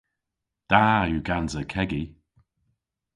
Da yw gansa kegi.